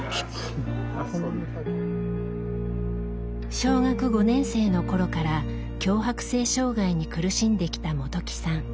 小学５年生の頃から強迫性障害に苦しんできた本木さん。